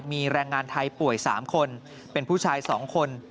มีแรงงานไทยป่วย๓คนเป็นผู้ชาย๒คน